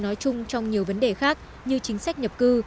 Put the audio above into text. nói chung trong nhiều vấn đề khác như chính sách nhập cư